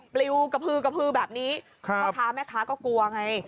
ปลิวกระพือกระพือแบบนี้พ่อค้าแม่ค้าก็กลัวไง